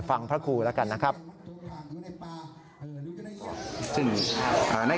สายลูกไว้อย่าใส่